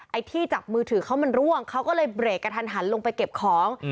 ไอ้ที่จับมือถือเขามันร่วงเขาก็เลยเบรกกระทันหันลงไปเก็บของ